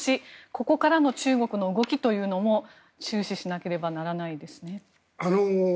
ここからの中国の動きというのも注視しなければならないですね。